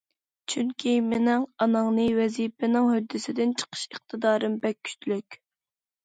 چۈنكى مېنىڭ ئاناڭنى... ۋەزىپىنىڭ ھۆددىسىدىن چىقىش ئىقتىدارىم بەك كۈچلۈك!